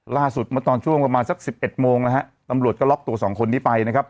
เมื่อตอนช่วงประมาณสักสิบเอ็ดโมงนะฮะตำรวจก็ล็อกตัวสองคนนี้ไปนะครับ